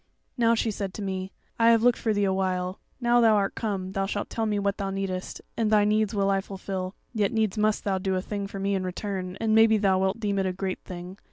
"Now, she said to me, 'I have looked for thee a while; now thou art come, thou shalt tell me what thou needest, and thy needs will I fulfil. Yet needs must thou do a thing for me in return, and maybe thou wilt deem it a great thing.